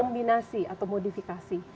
kombinasi atau modifikasi